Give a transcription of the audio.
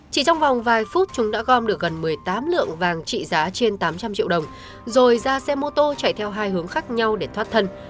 chỉ trong vòng vài phút chúng đã gom được gần một mươi tám lượng vàng trị giá trên tám trăm linh triệu đồng rồi ra xe mô tô chạy theo hai hướng khác nhau để thoát thân